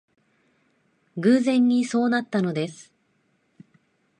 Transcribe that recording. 偶然にそうなったのです